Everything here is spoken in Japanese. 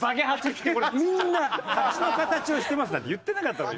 「“八”の形をしてます」なんて言ってなかったのよ